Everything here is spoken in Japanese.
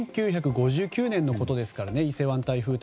１９５９年のことですから伊勢湾台風。